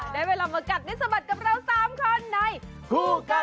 ในน้ำในน้ำ